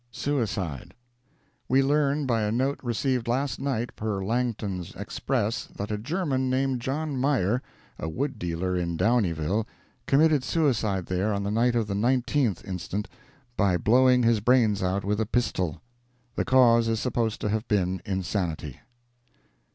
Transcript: SUICIDE.—We learn by a note received last night per Langton's Express, that a German named John Meyer, a wood dealer in Downieville, committed suicide there on the night of the 19th inst., by blowing his brains out with a pistol. The cause is supposed to have been insanity.